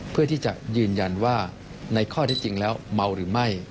เพื่อที่จะยืนยันว่าในข้อที่จริงแล้วเมาหรือไม่